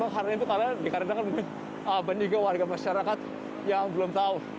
karena itu karena beniga warga masyarakat yang belum tahu